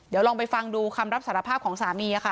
เดี๋ยวลองไปฟังดูคำรับสารภาพของสามีค่ะ